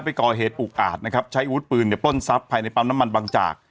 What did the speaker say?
ไปก่อเหตุอุกอาจนะครับใช้อาวุธปืนเนี่ยปล้นทรัพย์ภายในปั๊มน้ำมันบางจาก